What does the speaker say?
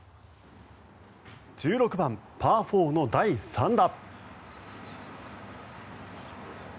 １６番、パー４の第３打。